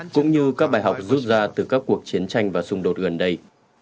cũng như các bài học rút ra từ các cuộc chiến tranh và xung đột gần đây